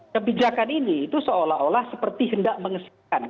kebijakan ini itu seolah olah seperti hendak mengesahkan